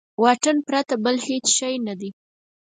د واټن پرته بل هېڅ شی نه دی.